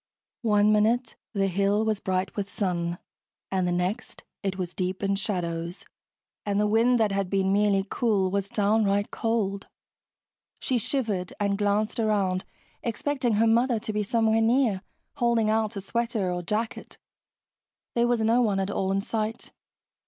One minute the hill was bright with sun, and the next it was deep in shadows and the wind that had been merely cool was downright cold. She shivered and glanced around expecting her mother to be somewhere near, holding out a sweater or jacket. There was no one at all in sight.